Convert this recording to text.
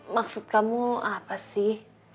maksud kamu apa sih